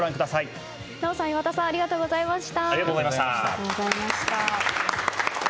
奈緒さん、岩田さんありがとうございました。